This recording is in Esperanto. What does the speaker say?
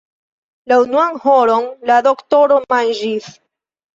La unuan horon la doktoro manĝis.